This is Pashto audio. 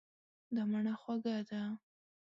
دا مڼه خوږه ده.